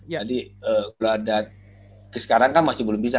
jadi kalau ada sekarang kan masih belum bisa